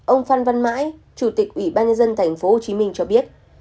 ông phan văn mãi chủ tịch ủy ban nhân dân tp hcm cho biết